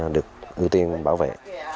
được ưu tiên bảo vệ